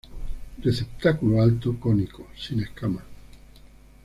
Receptáculo alto, cónico, sin escamas.